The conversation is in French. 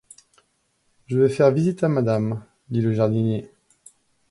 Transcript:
Je vais faire visiter à madame, dit le jardinier.